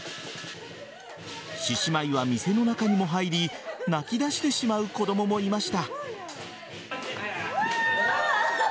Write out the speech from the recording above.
獅子舞は店の中にも入り泣き出してしまう子供もいました。